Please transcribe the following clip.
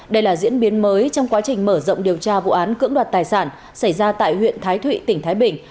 đây là diễn biến mới trong quá trình mở rộng điều tra vụ án cưỡng đoạt tài sản xảy ra tại huyện thái thụy tỉnh thái bình